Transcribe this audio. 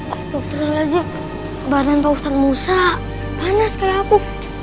astaghfirullahaladzim badan pak ustadz musa panas kayak aku